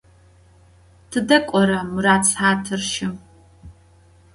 Tıde k'ora Murat sıhatır şım?